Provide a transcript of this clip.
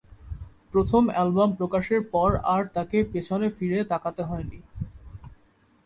প্রথম অ্যালবাম প্রকাশের পর আর তাকে পেছনে ফিরে তাকাতে হয়নি।